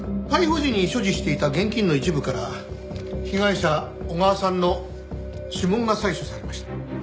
逮捕時に所持していた現金の一部から被害者小川さんの指紋が採取されました。